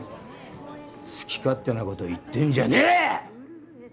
好き勝手な事言ってんじゃねえ！